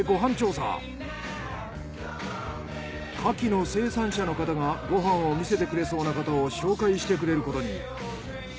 カキの生産者の方がご飯を見せてくれそうな方を紹介してくれることに。